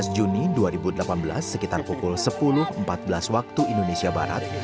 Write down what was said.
tujuh belas juni dua ribu delapan belas sekitar pukul sepuluh empat belas waktu indonesia barat